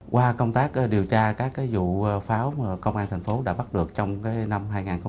qua công tác điều tra các vụ pháo công an thành phố đã bắt được trong năm hai nghìn hai mươi ba